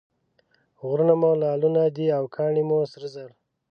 غرونه مو لعلونه دي او کاڼي مو سره زر.